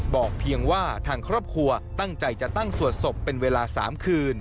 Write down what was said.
เพียงว่าทางครอบครัวตั้งใจจะตั้งสวดศพเป็นเวลา๓คืน